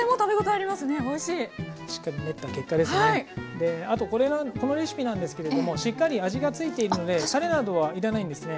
であとこのレシピなんですけれどもしっかり味が付いているのでたれなどは要らないんですね。